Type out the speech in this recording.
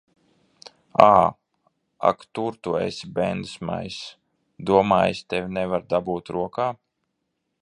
Ā! Ak tu tur esi, bendesmaiss! Domā, es tevi nevaru dabūt rokā.